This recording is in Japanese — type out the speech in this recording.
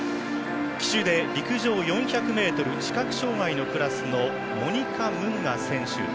旗手で陸上視覚障がいのクラスのモニカ・ムンガ選手。